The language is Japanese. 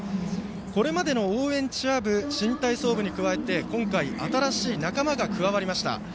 これまでの応援チア部新体操部に加えて、今回新しい仲間が加わりました。